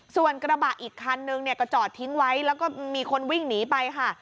ส่วนกระบะอีกคันนึงเนี่ยก็จอดทิ้งไว้แล้วก็มีคนวิ่งหนีไปค่ะ